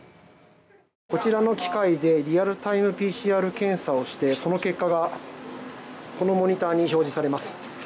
こちらの機械でリアルタイムＰＣＲ検査をしてその結果がこのモニターに表示されます。